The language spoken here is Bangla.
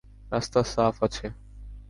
রাস্তা সাফ আছে।